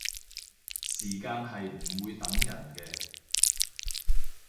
時間係唔會等人嘅